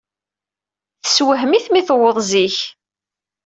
Tessewhem-it mi tewweḍ zik.